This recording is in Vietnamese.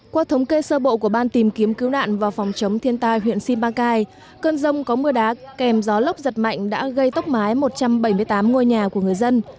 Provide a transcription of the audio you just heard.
qua thống kê sơ bộ của ban tìm kiếm cứu nạn và phòng chống thiên tai huyện simacai cơn rông có mưa đá kèm gió lốc giật mạnh đã gây tốc mái một trăm bảy mươi tám ngôi nhà của người dân